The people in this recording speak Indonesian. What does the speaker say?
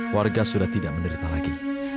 warga sudah tidak menderita lagi